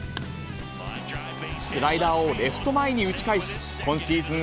スライダーをレフト前に打ち返し、今シーズン